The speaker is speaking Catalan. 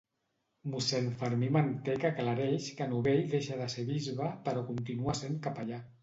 Mossèn Fermí Manteca aclareix que Novell deixa de ser bisbe, però continua sent capellà.